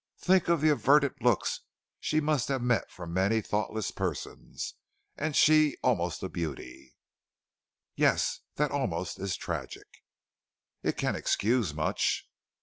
Think of the averted looks she must have met from many thoughtless persons; and she almost a beauty!" "Yes, that almost is tragic." "It can excuse much."